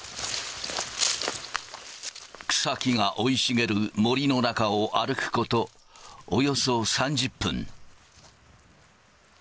草木が生い茂る森の中を歩くことおよそ３０分。